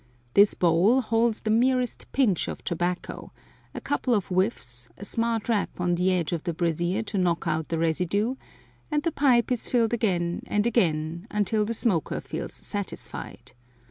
This bowl holds the merest pinch of tobacco; a couple of whiffs, a smart rap on the edge of the brazier to knock out the residue, and the pipe is filled again and again, until the smoker feels satisfied.